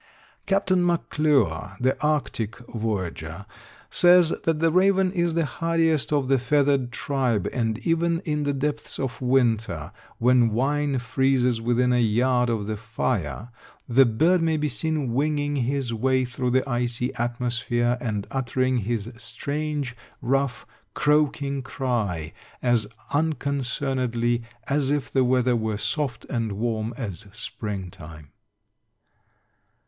Captain McClure, the Arctic voyager, says that the raven is the hardiest of the feathered tribe, and even in the depths of winter, when wine freezes within a yard of the fire, the bird may be seen winging his way through the icy atmosphere, and uttering his strange, rough, croaking cry, as unconcernedly as if the weather were soft and warm as springtime.